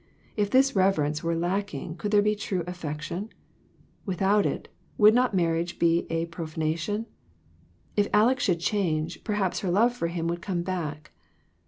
If this reverence were lacking, could there be true affection ? Without it, would not marriage be a profanation ? If Aleck should change, perhaps her love for him would come back.